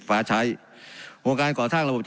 การปรับปรุงทางพื้นฐานสนามบิน